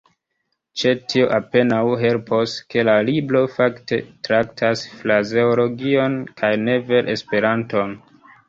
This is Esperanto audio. Ĉe tio apenaŭ helpos, ke la libro fakte traktas frazeologion kaj ne vere Esperanton.